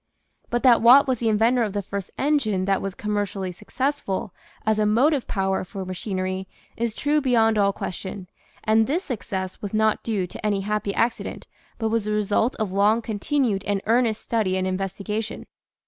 But that Watt was the inventor of the first engine that was commercially successful as a motive power for ma chinery is true beyond all question, and this success was not due to any happy a.rn'Hent. 3 hvrhjyas thp re^ilf nf long rpntin ued and earnest study and investigation.